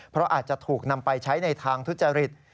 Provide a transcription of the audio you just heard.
เพราะอาจจะถูกนำไปใช้ในทางทุจริต